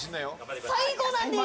最後なんです。